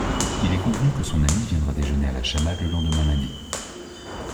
Il est convenu que son amie viendra déjeuner à La Chamade le lendemain lundi.